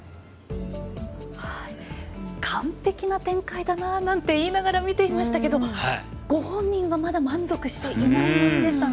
完璧な展開だななんて見ながら思いましたけどご本人はまだ満足していない様子でしたね。